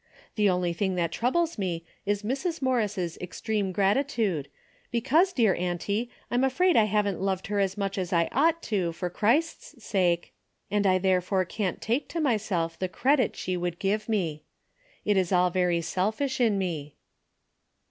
The only thing that troubles me is Mrs. Morris' extreme grati tude, because, dear auntie, I'm afraid I haven't loved her as much as I ought to for Christ's sake, and I therefore can't take to myself the credit she would give me. It is all very selfish in me.